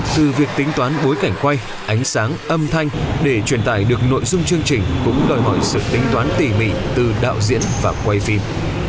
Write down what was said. từ việc tính toán bối cảnh quay ánh sáng âm thanh để truyền tải được nội dung chương trình cũng đòi hỏi sự tính toán tỉ mỉ từ đạo diễn và quay phim